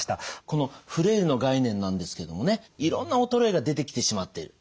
このフレイルの概念なんですけどもねいろんな衰えが出てきてしまっている。